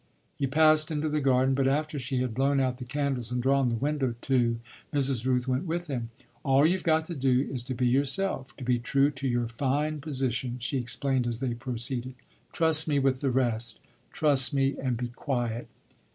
He passed into the garden, but, after she had blown out the candles and drawn the window to, Mrs. Rooth went with him. "All you've got to do is to be yourself to be true to your fine position," she explained as they proceeded. "Trust me with the rest trust me and be quiet."